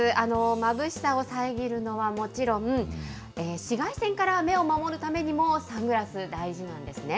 まぶしさを遮るのはもちろん、紫外線から目を守るためにも、サングラス、大事なんですね。